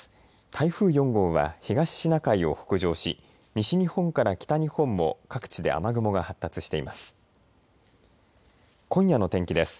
台風４号は東シナ海を北上し西日本から北日本も各地で雨雲が発達しています。